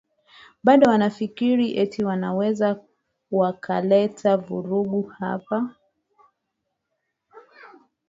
bado wanafikiri ati wanaweza wakaleta vurugu hapa